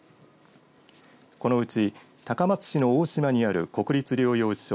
このうち高松市の大島にある国立療養所